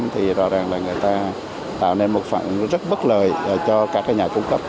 thì rõ ràng là người ta tạo nên một phần rất bất lợi cho các nhà cung cấp